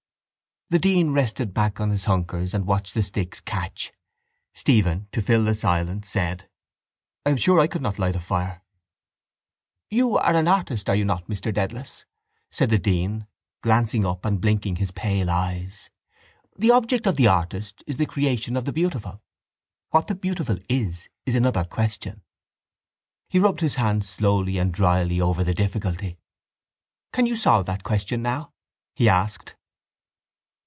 The dean rested back on his hunkers and watched the sticks catch. Stephen, to fill the silence, said: —I am sure I could not light a fire. —You are an artist, are you not, Mr Dedalus? said the dean, glancing up and blinking his pale eyes. The object of the artist is the creation of the beautiful. What the beautiful is is another question. He rubbed his hands slowly and drily over the difficulty. —Can you solve that question now? he asked.